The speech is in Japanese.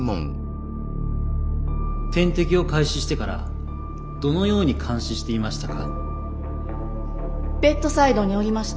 点滴を開始してからどのように監視していましたか？